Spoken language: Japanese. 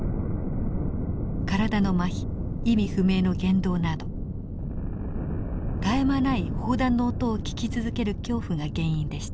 体のマヒ意味不明の言動など絶え間ない砲弾の音を聞き続ける恐怖が原因でした。